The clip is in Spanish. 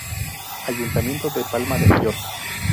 Ayuntamiento de Palma de Mallorca.